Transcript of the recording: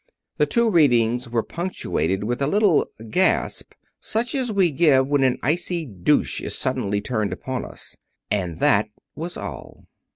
The two readings were punctuated with a little gasp, such as we give when an icy douche is suddenly turned upon us. And that was all.